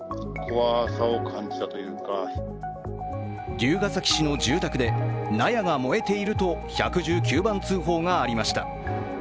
龍ケ崎市の住宅で納屋が燃えていると１１９番通報がありました。